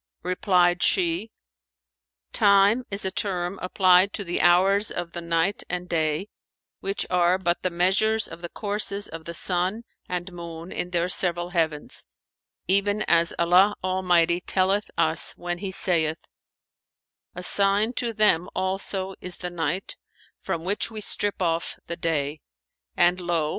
Replied she, "Time is a term applied to the hours of the night and day, which are but the measures of the courses of the sun and moon in their several heavens, even as Allah Almighty telleth us when he saith, 'A sign to them also is the Night, from which we strip off the day, and lo!